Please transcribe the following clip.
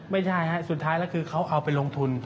ไม่ใช่ฮะสุดท้ายแล้วคือเขาเอาไปลงทุน